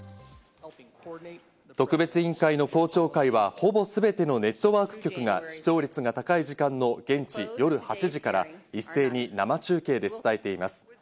特別委員会の公聴会はほぼすべてのネットワーク局が視聴率が高い時間の現地夜８時から一斉に生中継で伝えています。